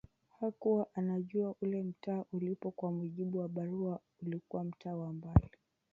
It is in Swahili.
Hakuwa anajua ule mtaa ulipo kwa mujibu wa barua ulikua mtaa wa mbali